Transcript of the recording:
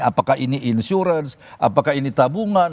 apakah ini insurance apakah ini tabungan